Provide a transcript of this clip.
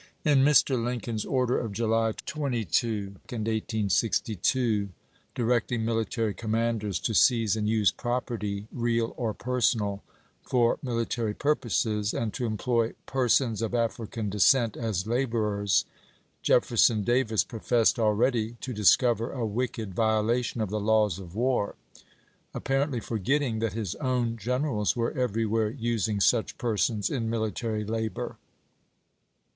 In Mr. Lincoln's order of July 22, 1862, directing military commanders to seize and use property, real or personal, for mili tary purposes, and to employ " persons of African descent as laborers," Jefferson Davis professed already to discover a wicked violation of the laws of war, apparently forgetting that his own gener als were everywhere using such persons in military labor.